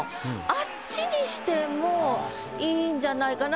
あっちにしてもいいんじゃないかなと思って。